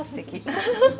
ウフフフ。